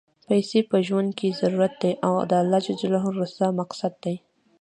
پیسی په ژوند کی ضرورت دی، او د اللهﷻ رضا مقصد دی.